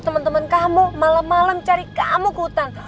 temen temen kamu malem malem cari kamu ke hutan